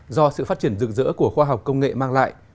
do sự phát triển rực rỡ của khoa học công nghệ mang lại